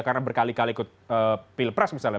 karena berkali kali ikut pilpres misalnya